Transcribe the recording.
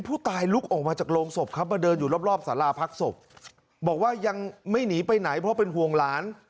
เพราะเป็นห่วงหลาน